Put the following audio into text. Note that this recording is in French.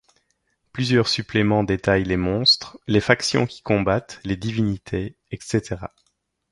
Plusieurs suppléments détaillent les monstres, les factions qui combattent, les divinités, etc.